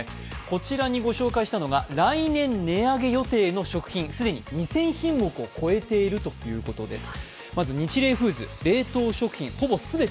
こちらにご紹介したのが来年値上げ予定の食品既に２０００品目を超えているということです。